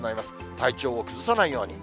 体調を崩さないように。